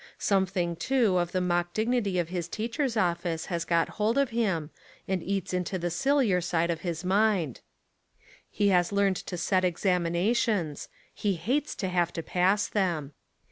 Something, too, of the mock dignity of his teacher's office has got hold of him and eats into the sillier side of his mind. He has learned to set examinations; he hates to have to pass them.